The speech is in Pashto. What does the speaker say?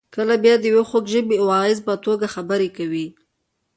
کله بیا د یوې خوږ ژبې واعظ په توګه خبرې کوي.